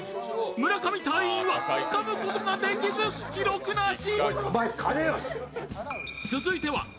村上隊員はつかむことができず記録なし。